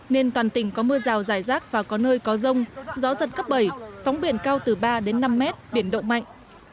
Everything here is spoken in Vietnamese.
nên toàn tỉnh có mưa rào dài rác và có nơi có rông gió giật cấp bảy sóng biển cao từ ba đến năm mét biển động mạnh